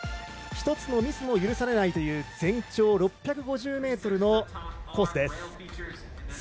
１つのミスも許されないという全長６５０ｍのコースです。